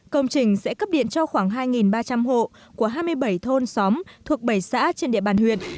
công trình sẽ cấp điện cho khoảng hai ba trăm linh hộ của hai mươi bảy thôn xóm thuộc bảy xã trên địa bàn huyện